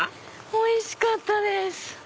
おいしかったです！